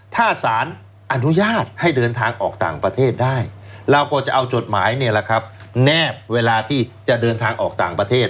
ถ้าสารอนุญาตให้เดินทางออกต่างประเทศได้เราก็จะเอาจดหมายเนี่ยแหละครับแนบเวลาที่จะเดินทางออกต่างประเทศ